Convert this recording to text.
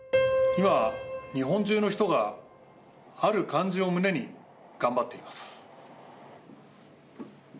今は日本中の人がある漢字を胸に頑張っています。